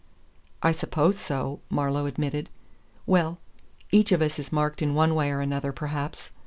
"I suppose so," Marlowe admitted. "Well, each of us is marked in one way or another, perhaps.